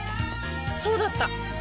そうだった！